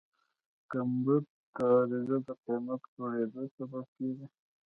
کمبود عرضه د قیمت لوړېدو سبب کېږي.